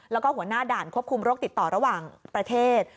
แล้วก็หัวหน้าด่านควบคุมโรคติดต่อระหว่างประเทศ